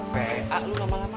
pea lu lama lama